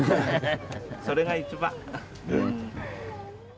それが一番。